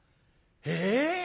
え！